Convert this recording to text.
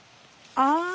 ああ。